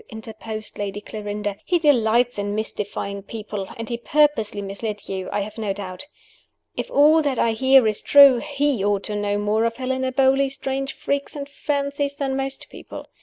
interposed Lady Clarinda. "He delights in mystifying people; and he purposely misled you, I have no doubt. If all that I hear is true, he ought to know more of Helena Beauly's strange freaks and fancies than most people.